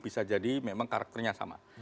bisa jadi memang karakternya sama